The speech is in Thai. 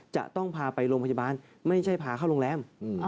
จะต้องพาไปโรงพยาบาลไม่ใช่พาเข้าโรงแรม